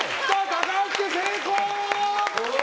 高橋家成功！